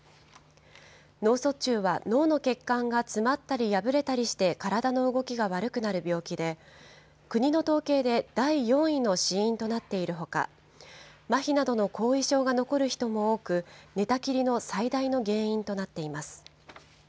脳卒中は脳の血管が詰まったり破れたりして、体の動きが悪くなる病気で、国の統計で第４位の死因となっているほか、まひなどの後遺症が残る人も多く、寝たきりの最大の原因となっています。